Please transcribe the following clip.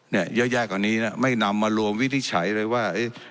เยอะแยะกว่านี้นะไม่นำมารวมวิธีใช้เลยว่า